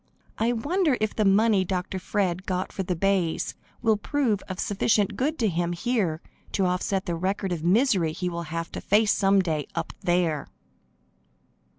I wonder if the money Dr. Fred got for the bays will prove of sufficient good to him here to offset the record of misery he will have to face some day up there!